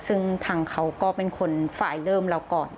ซึ่งทางเขาก็เป็นคนฝ่ายเริ่มเราก่อน